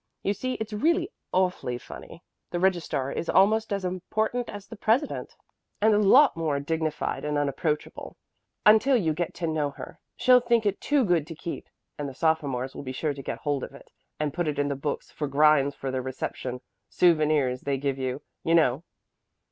You see it's really awfully funny. The registrar is almost as important as the president, and a lot more dignified and unapproachable, until you get to know her. She'll think it too good to keep, and the sophomores will be sure to get hold of it and put it in the book of grinds for their reception souvenirs they give you, you know.